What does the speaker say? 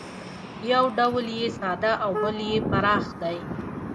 یو ډول یې ساده او بل یې پراخ دی